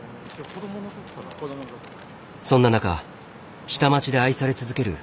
そんな中下町で愛され続ける